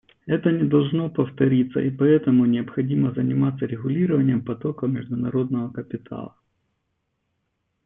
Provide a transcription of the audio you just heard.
Это не должно повториться, и поэтому необходимо заниматься регулированием потоков международного капитала.